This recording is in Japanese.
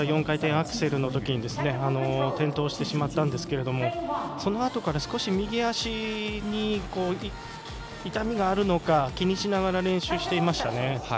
４回転アクセルのときに転倒してしまったんですがそのあとから少し右足に痛みがあるのか気にしながら練習をしていました。